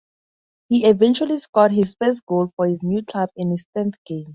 He eventually scored his first goal for his new club in his tenth game.